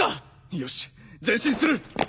よし前進する！